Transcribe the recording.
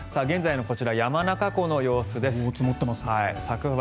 現在のこちら山中湖の様子です。